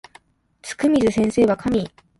つくみず先生は神